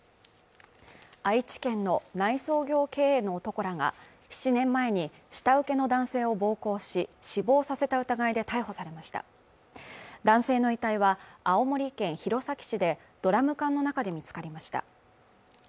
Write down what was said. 愛知県の内装業経営の男らが７年前に下請けの男性を暴行し死亡させた疑いで逮捕されました男性の遺体は青森県弘前市でドラム缶の中で見つかりました